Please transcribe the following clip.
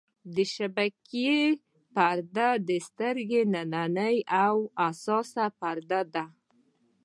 د شبکیې پرده د سترګې نننۍ او حساسه پرده ده.